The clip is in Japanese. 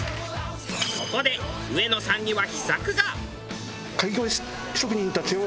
そこで上野さんには秘策が。